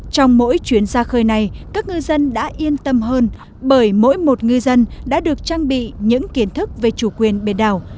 trong mỗi chuyến ra khơi này các ngư dân đã yên tâm hơn bởi mỗi một ngư dân đã được trang bị những kiến thức về chủ quyền biển đảo